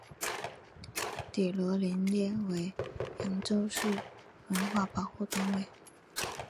祗陀林列为扬州市文物保护单位。